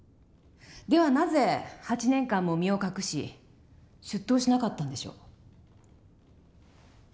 ではなぜ８年間も身を隠し出頭しなかったんでしょう？